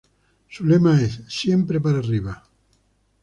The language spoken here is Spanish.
Su lema es "Siempre para arriba".